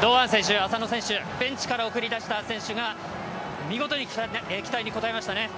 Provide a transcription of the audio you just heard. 堂安選手、浅野選手、ベンチから送り出した選手が見事に期待に応えましたね。